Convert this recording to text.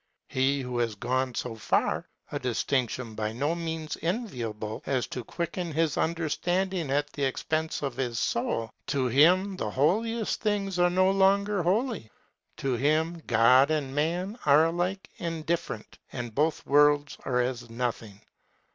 He who has gone so far (a distinction by no means enviable) as to quicken his understanding at the expense of his soul to him the holiest things are no longer holy; to him God and man are alike indifferent, and both worlds are as nothing.